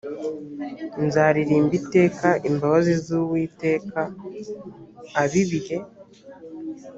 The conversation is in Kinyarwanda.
nzaririmba iteka imbabazi z uwiteka ab ibihe